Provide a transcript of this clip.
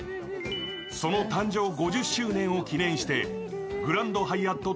その誕生５０周年を記念してグランドハイアット